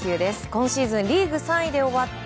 今シーズンリーグ３位で終わった